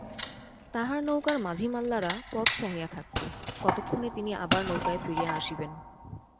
তাঁহার নৌকার মাঝি-মাল্লারা পথ চাহিয়া থাকিত, কতক্ষণে তিনি আবার নৌকায় ফিরিয়া আসিবেন।